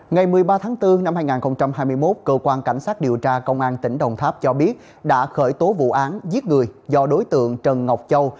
ngày một mươi ba tháng bốn năm hai nghìn hai mươi một cơ quan cảnh sát điều tra công an tỉnh đồng tháp cho biết đã khởi tố vụ án giết người do đối tượng trần ngọc châu